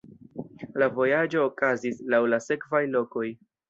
La vojaĝo okazis laŭ la sekvaj lokoj.